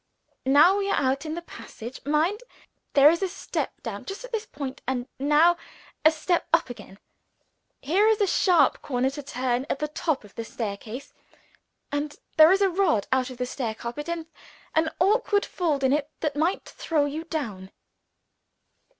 Now we are out in the passage. Mind! there is a step down, just at this place. And now a step up again. Here is a sharp corner to turn at the top of the staircase. And there is a rod out of the stair carpet, and an awkward fold in it that might throw you down."